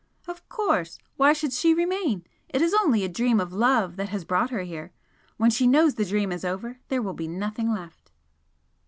"Of course! Why should she remain? It is only a dream of love that has brought her here when she knows the dream is over, there will be nothing left."